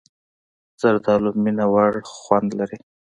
زردالو مینهوړ خوند لري.